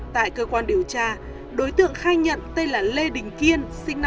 tại cơ quan điều tra đối tượng khai nhận tên là lê đình kiên